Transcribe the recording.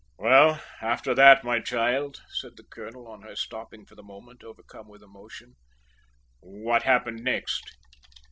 "Well, after that, my child," said the colonel, on her stopping for the moment, overcome with emotion, "what happened next?"